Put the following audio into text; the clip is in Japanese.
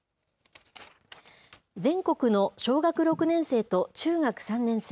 全国の小学６年生と中学３年生